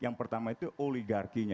yang pertama itu oligarkinya